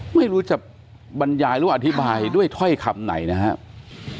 ไม่รู้จะบรรยายหรืออธิบายด้วยถ้อยคำไหนนะครับ